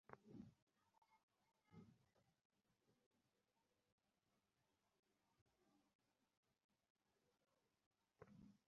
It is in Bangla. দুই কাউন্সিলর দেখেন ফোন নম্বরটি ইউএনওর মুঠোফোন নম্বরের সঙ্গে মিলে যায়।